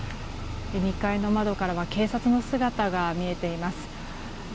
２階の窓からは警察の姿が見えています。